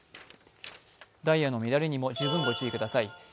ダイヤの乱れにも十分ご注意ください。